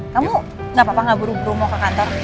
kamu gapapa gaburuh buruh mau ke kantor